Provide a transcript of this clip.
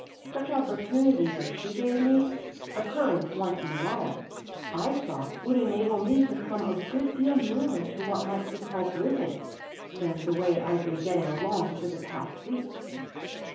Such opportunities as she gave me, occurring once in a while, I saw would enable me to come a good deal nearer to what might be called living^ than the way I'd been getting along for the past weeks.